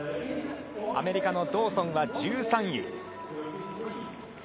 アメリカのドーソンが１３位。